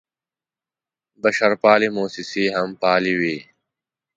بشرپالې موسسې هم فعالې وې.